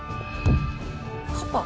パパ？